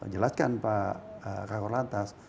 jelaskan pak kak orlantas